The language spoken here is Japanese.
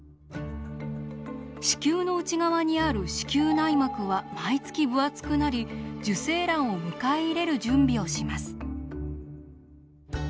子宮の内側にある子宮内膜は毎月分厚くなり受精卵を迎え入れる準備をします。